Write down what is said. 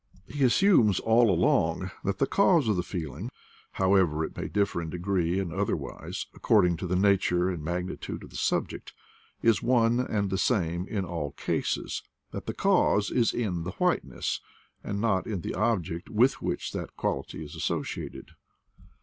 He assumes all along that the cause of the feel ing, however it may differ in degree and other wise, according to the nature and magnitude of the subject, is one and the same in all cases, that the cause is in the whiteness, and not in the object with which that quality is associated.